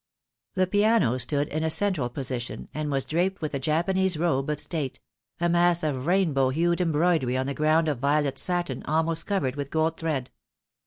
The piano stood in a central position, and was draped with a Japanese robe of state — a mass of rainbow hued embroidery on a ground of violet satin almost covered with gold thread.